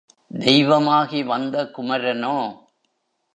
தெய்வமாகி வந்த குமரனோ?